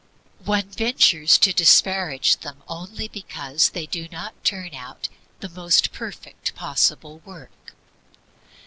One ventures to disparage them only because they do not turn out the most perfect possible work.